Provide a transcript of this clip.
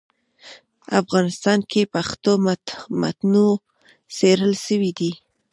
افغانستان کي پښتو متونو څېړل سوي دي.